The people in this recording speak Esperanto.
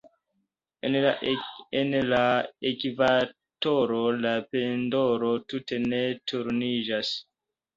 En la ekvatoro, la pendolo tute ne turniĝas.